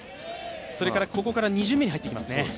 ここから２巡目に入っていきますね。